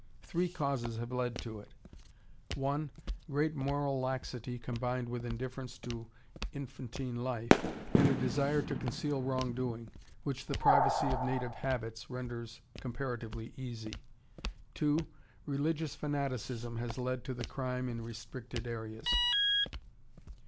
Three causes have led to it: 1. Great moral laxity, combined with indifference to infantine life, and a desire to conceal wrong doing, which the privacy of native habits renders comparatively easy. 2. Religious fanaticism has led to the crime in restricted areas....